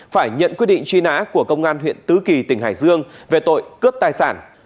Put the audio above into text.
phải nhận quyết định truy nã của công an huyện tứ kỳ tỉnh hải dương về tội cướp tài sản